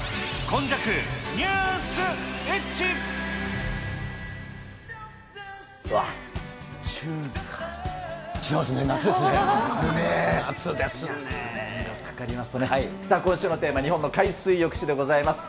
今週のテーマ、日本の海水浴史でございます。